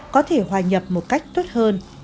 có thể hòa nhập một cách tốt hơn